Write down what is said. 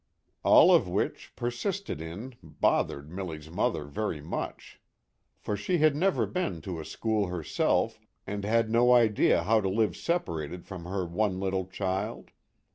All of which, persisted in, bothered Milly's mother very much. For she had never been to a school herself and had no idea how to live separated from her one little child.